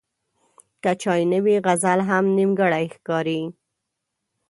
که چای نه وي، غزل هم نیمګړی ښکاري.